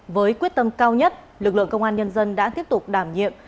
với quyết tâm cao nhất lực lượng công an nhân dân đã tiếp tục đảm nhiệm